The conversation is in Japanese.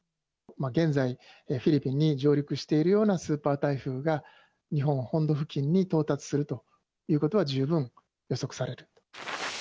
現在、フィリピンに上陸しているようなスーパー台風が、日本本土付近に到達するということは、十分予測される。